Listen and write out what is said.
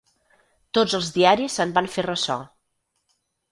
Tots els diaris se'n van fer ressò.